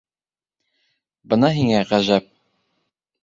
Бына һиңә ғәжәп!